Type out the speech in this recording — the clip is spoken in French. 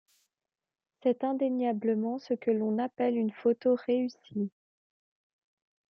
C’est indéniablement ce que l’on appelle une photo réussie.